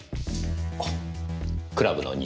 クラブの２。